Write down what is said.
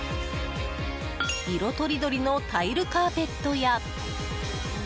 色とりどりのタイルカーペットや。